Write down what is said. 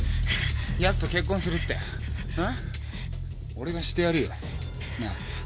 俺がしてやるよなぁ。